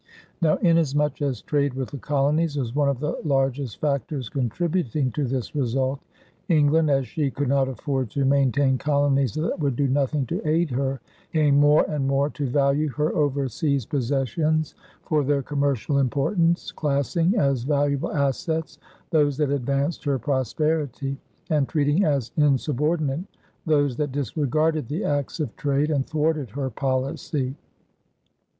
Now, inasmuch as trade with the colonies was one of the largest factors contributing to this result, England, as she could not afford to maintain colonies that would do nothing to aid her, came more and more to value her overseas possessions for their commercial importance, classing as valuable assets those that advanced her prosperity, and treating as insubordinate those that disregarded the acts of trade and thwarted her policy.